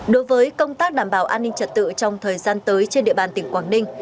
đối với công tác đảm bảo an ninh trật tự trong thời gian tới trên địa bàn tỉnh quảng ninh